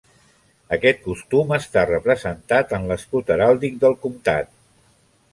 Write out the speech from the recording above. Aquest costum està representat en l'escut heràldic del comtat.